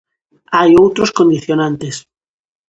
Hai outros condicionantes.